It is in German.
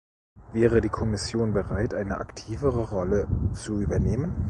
Wäre die Kommission bereit, eine aktivere Rolle zu übernehmen?